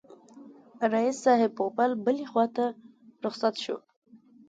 رییس صاحب پوپل بلي خواته رخصت شو.